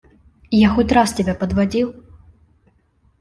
Я хоть раз тебя подводил?